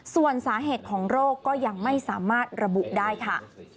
ส่วนสาเหตุของโรคก็ยังไม่สามารถระบุได้ค่ะ